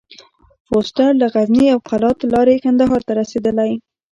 فورسټر له غزني او قلات لاري کندهار ته رسېدلی.